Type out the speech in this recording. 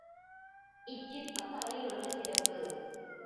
இச்சிற்பக் கலையில் உள்ள சிறப்பு.